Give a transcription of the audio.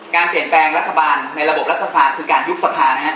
การเปลี่ยนแปลงรัฐบาลในระบบรัฐสภาคือการยุบสภานะครับ